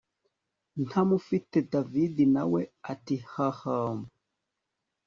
ntamufite david nawe ati hhm